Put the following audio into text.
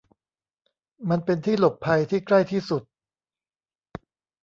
มันเป็นที่หลบภัยที่ใกล้ที่สุด